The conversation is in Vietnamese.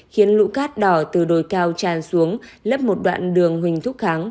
khiến lũ cát đỏ từ đồi cao tràn xuống lấp một đoạn đường huỳnh thúc kháng